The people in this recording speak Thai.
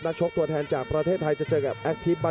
นี่แหละครับจังหวัดฝีมือเนี่ยต้องบอกว่าใช้ได้ครับเจ้าสายฟ้า